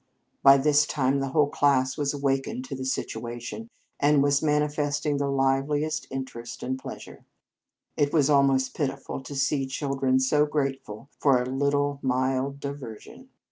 By this time the whole class had awakened to the situation, and was manifesting the liveliest interest and pleasure. It was almost pitiful to see children so grateful for a little mild diversion.